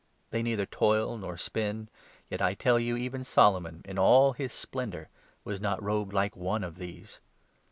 They neither toil nor spin ; yet, I tell you, even Solomon in all his splendour was nc<: robed like one of these.